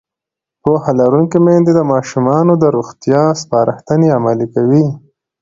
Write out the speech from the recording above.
پوهه لرونکې میندې د ماشومانو د روغتیا سپارښتنې عملي کوي.